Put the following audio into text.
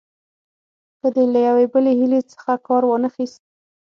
که دې له یوې بلې حیلې څخه کار وانه خیست.